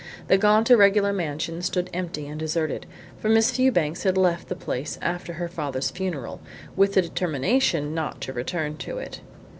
The gaunt, irregular mansion stood empty and deserted, for Miss Fewbanks had left the place after her father's funeral, with the determination not to return to it.